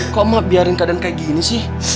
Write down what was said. kok mah biarin keadaan kayak gini sih